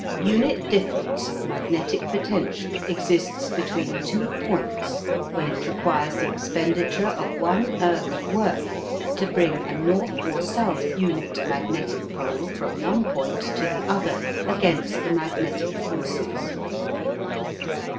Unit difference of magnetic potential exists between two points when it requires the expenditure of one erg of work to bring an (N. or S.) unit magnetic pole from one point to the other against the magnetic forces.